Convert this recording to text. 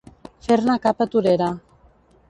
Fer-ne capa torera.